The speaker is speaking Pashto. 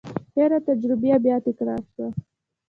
تېره تجربه بیا تکرار شوه.